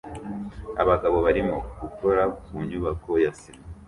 Abagabo barimo gukora ku nyubako ya sima